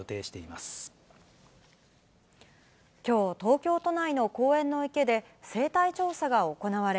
きょう、東京都内の公園の池で生態調査が行われ、